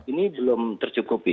ini belum tercukupi